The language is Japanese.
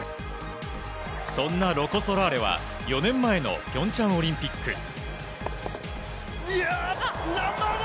そんなロコ・ソラーレは、４年前のピョンチャンオリンピック。